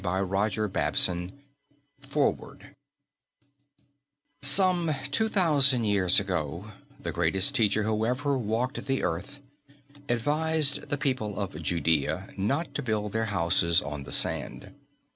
THE FUTURE CHURCH Foreword Some two thousand years ago the greatest teacher who ever walked the earth advised the people of Judea not to build their houses on the sand.